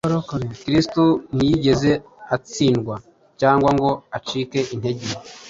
Kristo ntiyigeze atsindwa cyangwa ngo acike intege,